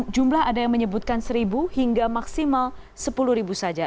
jumlah ada yang menyebutkan seribu hingga maksimal sepuluh ribu saja